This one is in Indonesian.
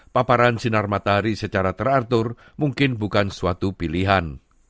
paparan sinar matahari secara teratur mungkin bukan suatu pilihan